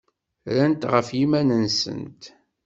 Rrant ɣef yiman-nsent.